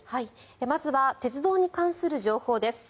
まずは鉄道に関する情報です。